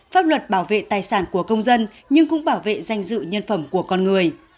pháp luật bảo vệ tài sản của công dân nhưng cũng bảo vệ danh dự nhân phẩm của con người